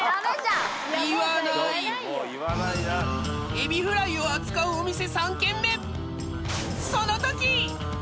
エビフライを扱うお店